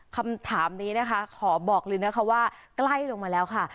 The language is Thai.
คำถามนี้นะคะขอบอกเลยนะคะว่าใกล้ลงมาแล้วค่ะ